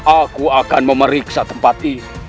aku akan memeriksa tempat ini